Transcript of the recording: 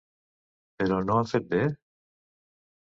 Però no han fet bé?